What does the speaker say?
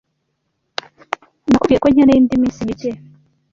Nakubwiye ko nkeneye indi minsi mike.